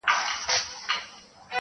نه له درملو نه توري تښتې-